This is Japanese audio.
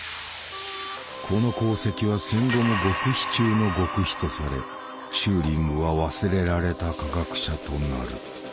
この功績は戦後も極秘中の極秘とされチューリングは忘れられた科学者となる。